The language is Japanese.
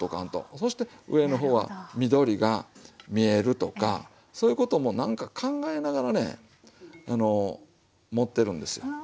そして上の方は緑が見えるとかそういうこともなんか考えながらねあの盛ってるんですよ。